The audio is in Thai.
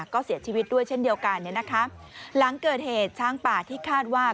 ก็เสียชีวิตด้วยเช่นเดียวกันเนี่ยนะคะหลังเกิดเหตุช้างป่าที่คาดว่า